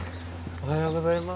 おはようございます。